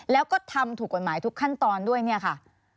แล้วก็ทำถูกกฎหมายทุกขั้นตอนด้วยเนี่ยค่ะ